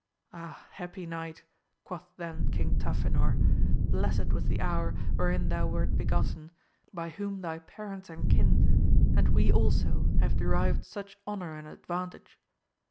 Ah, happy knight, quoth then King Tafinor, blessed was the hour wherein thou wert begotten, by whom thy parents and kin, and we also have derived such honour and advantage!